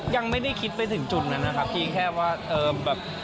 ยังไม่ได้คิดไปถึงจุดนั้นนะครับเพียงแค่ว่าเออแบบ